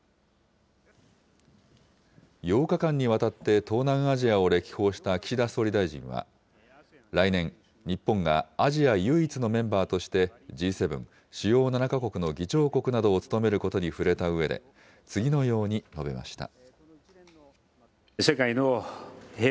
８日間にわたって東南アジアを歴訪した岸田総理大臣は、来年、日本がアジア唯一のメンバーとしてＧ７・主要７か国の議長国などを務めることに触れたうえで、次のように述べました。